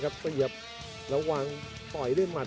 กันต่อแพทย์จินดอร์